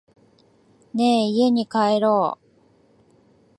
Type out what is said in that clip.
ねぇ、家に帰ろう。